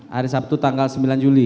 hari sabtu tanggal sembilan juli